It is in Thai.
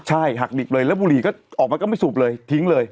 ใช่หักดิบเลยแล้วบุหรี่ก็ออกมาก็ไม่สูบเลยทิ้งเลย